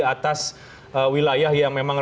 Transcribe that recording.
atas wilayah yang memang